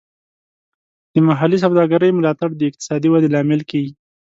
د محلي سوداګرۍ ملاتړ د اقتصادي ودې لامل کیږي.